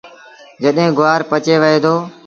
جڏهيݩ گُوآر پچي وهي دو۔